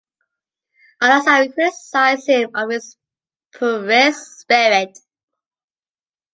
Others have criticize him of his purist spirit.